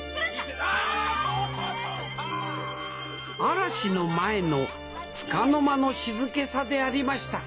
嵐の前のつかの間の静けさでありました